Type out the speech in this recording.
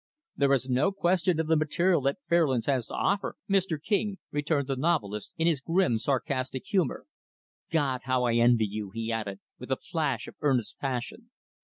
"There is no question of the material that Fairlands has to offer, Mr. King," returned the novelist, in his grim, sarcastic humor. "God! how I envy you!" he added, with a flash of earnest passion.